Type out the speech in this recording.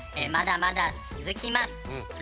まだまだ続きます！